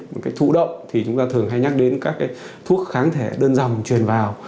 một cái thủ động thì chúng ta thường hay nhắc đến các thuốc kháng thể đơn dòng truyền vào